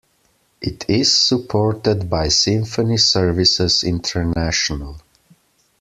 It is supported by Symphony Services International.